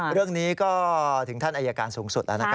เรื่องนี้ก็ถึงท่านอายการสูงสุดแล้วนะครับ